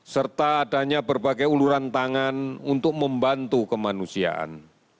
serta adanya berbagai uluran tangan untuk membantu kemanusiaan